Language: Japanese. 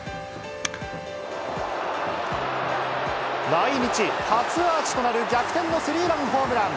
来日初アーチとなる逆転のスリーランホームラン。